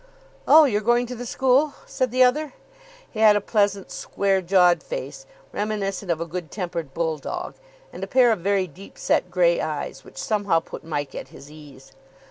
"Oh, you're going to the school," said the other. He had a pleasant, square jawed face, reminiscent of a good tempered bull dog, and a pair of very deep set grey eyes which somehow put Mike at his ease.